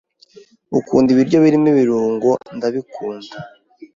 "Ukunda ibiryo birimo ibirungo Ndabikunda."